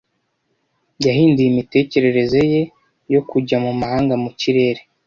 Yahinduye imitekerereze ye yo kujya mu mahanga mu kirere.